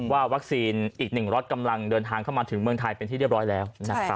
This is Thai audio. ว่าวัคซีนอีก๑ล็อตกำลังเดินทางเข้ามาถึงเมืองไทยเป็นที่เรียบร้อยแล้ว